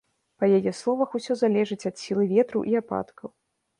Па яе словах, усё залежыць ад сілы ветру і ападкаў.